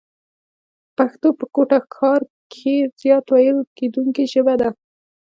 پښتو په کوټه ښار کښي زیاته ويل کېدونکې ژبه ده.